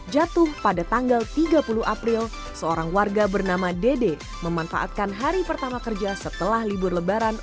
jatuh pada tanggal tiga puluh april seorang warga bernama dede memanfaatkan hari pertama kerja setelah libur lebaran